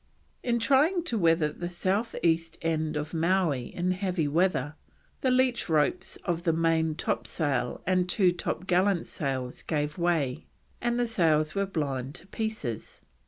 In trying to weather the south east end of Mowee in heavy weather, the leach ropes of the main topsail and two topgallant sails gave way, and the sails were blown to pieces.